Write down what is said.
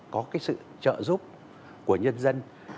có cái sự trợ giúp của nhân dân